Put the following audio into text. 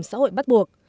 bảo hiểm xã hội bắt buộc